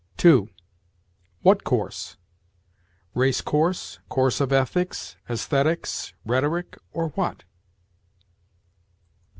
2. What course? Race course, course of ethics, æsthetics, rhetoric, or what?